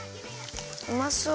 うまそう。